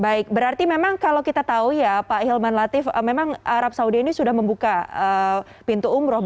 baik berarti memang kalau kita tahu ya pak hilman latif memang arab saudi ini sudah membuka pintu umroh